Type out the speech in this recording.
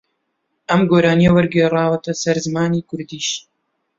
ئەم گۆرانییە وەرگێڕاوەتەوە سەر زمانی کوردیش